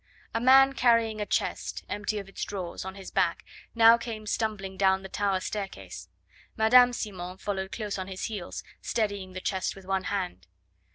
A man carrying a chest, empty of its drawers, on his back now came stumbling down the tower staircase. Madame Simon followed close on his heels, steadying the chest with one hand.